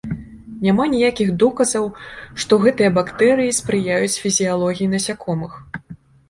Няма ніякіх доказаў, што гэтыя бактэрыі спрыяюць фізіялогіі насякомых.